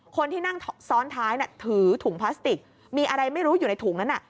คนที่นั่งซ้อนท้ายถือถุงพลาสติกมีอะไรไม่รู้อยู่ในถุงนั้น